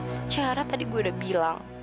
secara tadi gue udah bilang